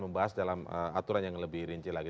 membahas dalam aturan yang lebih rinci lagi